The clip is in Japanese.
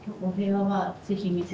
はい。